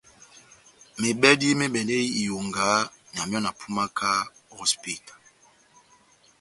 Mebɛdi me mɛdɛndi iyonga na miɔ na pumaka o hosipita.